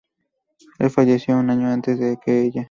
Él falleció un año antes que ella.